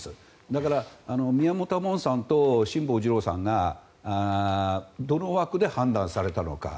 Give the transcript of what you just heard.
だから宮本亞門さんと辛坊治郎さんがどの枠で判断されたのか。